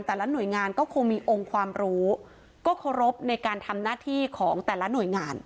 แต่ละหน่วยงานก็คงมีองค์ความรู้ก็เคารพในการทำหน้าที่ของแต่ละหน่วยงาน